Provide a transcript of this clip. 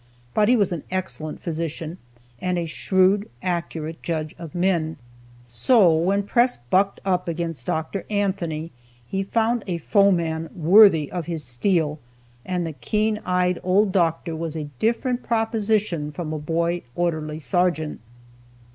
But he was an excellent physician, and a shrewd, accurate judge of men. So, when Press bucked up against Dr. Anthony, he found a foeman worthy of his steel, and the keen eyed old doctor was a different proposition from a boy orderly sergeant.